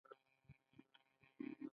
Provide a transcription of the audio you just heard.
وسله نه باید بېاجازه وکارېږي